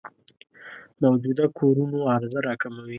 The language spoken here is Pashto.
موجوده کورونو عرضه راکموي.